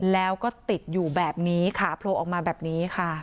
แล้วก็ติดอยู่แบบนี้ขาโผล่ออกมาแบบนี้ค่ะ